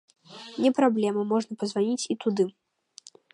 Не праблема, можна пазваніць і туды.